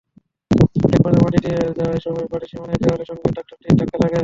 একপর্যায়ে মাটি নিয়ে যাওয়ার সময় বাড়ির সীমানা দেয়ালের সঙ্গে ট্রাক্টরটির ধাক্কা লাগে।